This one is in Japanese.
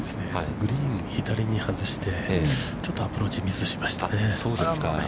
◆グリーン左に外して、ちょっとアプローチミスしましたね。